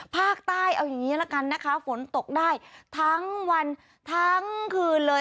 ภาคใต้เอาอย่างนี้ละกันนะคะฝนตกได้ทั้งวันทั้งคืนเลย